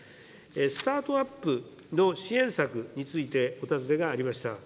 スタートアップの支援策について、お尋ねがありました。